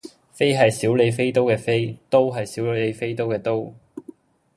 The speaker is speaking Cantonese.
飛係小李飛刀嘅飛，刀係小李飛刀嘅刀